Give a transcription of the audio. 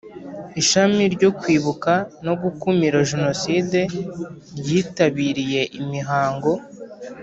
Ishami ryo Kwibuka no gukumira Jenoside ryitabiriye imihango